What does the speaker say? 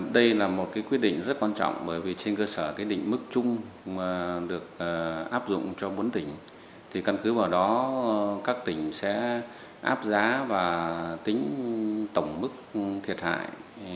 đây là một quyết định rất quan trọng bởi vì trên cơ sở cái định mức chung được áp dụng cho bốn tỉnh thì căn cứ vào đó các tỉnh sẽ áp giá và tính tổng mức thiệt hại